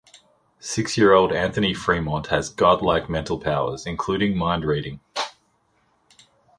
Six-year-old Anthony Fremont has godlike mental powers, including mind-reading.